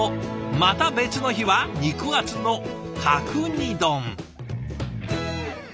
また別の日は肉厚の角煮丼。